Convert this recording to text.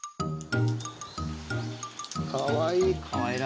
かわいい！